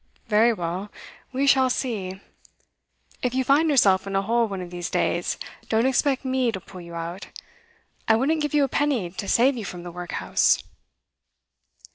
Very well, we shall see. If you find yourself in a hole one of these days, don't expect me to pull you out. I wouldn't give you a penny to save you from the workhouse.